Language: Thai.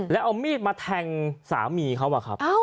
แล้วเอามีดมาแทงสามีเขาอะครับ